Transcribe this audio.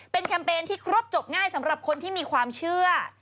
เป็นแคมเปญที่ครบจบง่ายสำหรับคนที่มีความเชื่อ